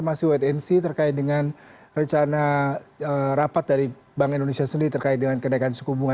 masih wait and see terkait dengan rencana rapat dari bank indonesia sendiri terkait dengan kenaikan suku bunga